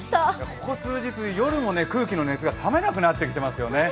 ここ数日、夜も空気の熱が冷めなくなっていますよね。